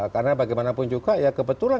karena bagaimanapun juga ya kebetulan